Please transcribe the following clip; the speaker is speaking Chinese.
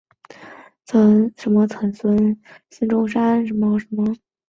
中华民国国父孙中山先生长兄孙眉的曾孙。